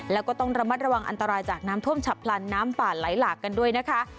แล้วก็ต้องระมัดระวังอันตรายจากน้ำท่วมฉับพลันน้ำป่าไหลหลากกันด้วยนะคะ